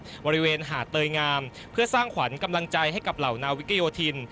บริเวณหาดเตยงามเพื่อสร้างขวัญกำลังใจให้กับเหล่านาวิกยโยธิน